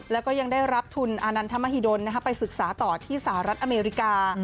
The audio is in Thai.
แล้วก็ยังได้รับทุนอานันทมหิดลไปศึกษาต่อที่สหรัฐอเมริกา